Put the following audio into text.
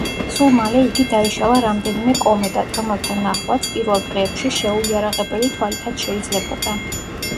სულ მალე იგი დაიშალა რამდენიმე კომეტად, რომლეთა ნახვაც პირველ დღეებში, შეუიარაღებელი თვალითაც შეიძლებოდა.